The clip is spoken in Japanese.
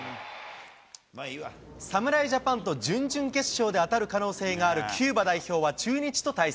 侍ジャパンと準々決勝で当たる可能性があるキューバ代表は中日と対戦。